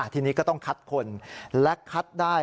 ทีนี้ก็ต้องคัดคนและคัดได้